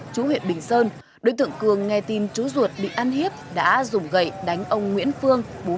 chú huyện bình sơn đối tượng cường nghe tin chú ruột bị ăn hiếp đã dùng gậy đánh ông nguyễn phương